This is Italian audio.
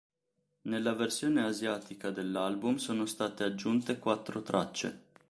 Nella versione asiatica dell'album sono state aggiunte quattro tracce.